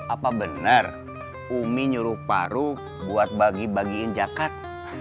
apa benar umi nyuruh paru buat bagi bagiin jakat